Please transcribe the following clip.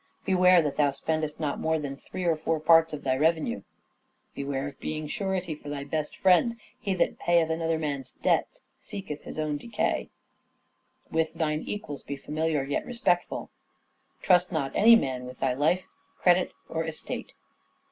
" Beware that thou spendest not more than three or four parts of thy revenue." " Beware of being surety for thy best friends ; he that payeth another man's debts seeketh his own decay." DRAMATIC SELF REVELATION 471 "With thine equals be familiar yet respectful." " Trust not any man with thy life, credit, or estate."